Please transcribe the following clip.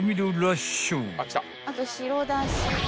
あと白だし。